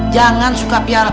jangan suka piar preman